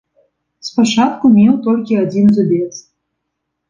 Спачатку меў толькі адзін зубец.